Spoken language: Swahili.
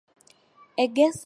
Egesa anapitia shida hiyo